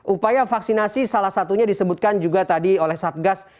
upaya vaksinasi salah satunya disebutkan juga tadi oleh satgas